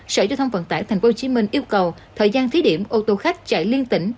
sở giao thông vận tải tp hcm yêu cầu thời gian thí điểm ô tô khách chạy liên tỉnh